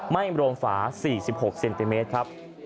ไหม้รวมฝา๔๖เซนติเมตร